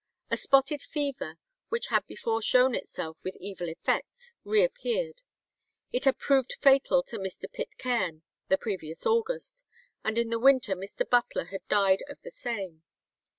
A spotted fever, which had before shown itself with evil effects, reappeared. It had proved fatal to Mr. Pitcairn the previous August, and in the winter Mr. Butler had died of the same.